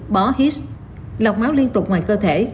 bó his lọc máu liên tục ngoài cơ thể